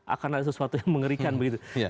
akan ada sesuatu yang mengerikan begitu